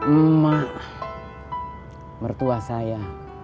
emak mertua saya